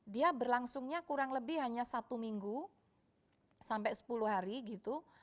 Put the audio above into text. dia berlangsungnya kurang lebih hanya satu minggu sampai sepuluh hari gitu